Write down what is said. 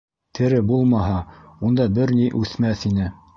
Тере булмаһа, унда бер ни үҫмәҫ ине!